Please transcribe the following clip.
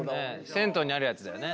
銭湯にあるやつだよね。